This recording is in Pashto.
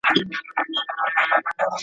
وزیرانو به د انسان د ژوند حق خوندي کاوه.